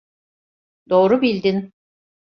Doğru bildin.